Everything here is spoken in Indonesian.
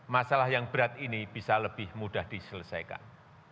masalah yang berat ini bisa lebih mudah diselesaikan